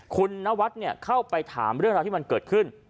คุณนวัดเข้าไปถามเรื่องราวที่มันเกิดขึ้น